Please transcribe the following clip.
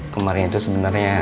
kemarin itu sebenarnya